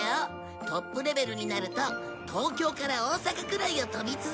トップレベルになると東京から大阪くらいを飛び続けちゃうんだから。